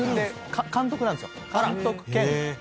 監督なんですよ。